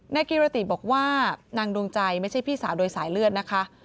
กิรติบอกว่านางดวงใจไม่ใช่พี่สาวโดยสายเลือดนะคะ